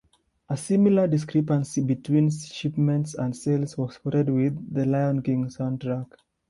A similar discrepancy between shipments and sales was reported with "The Lion King" soundtrack.